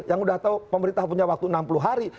yang udah tahu pemerintah punya waktu enam puluh hari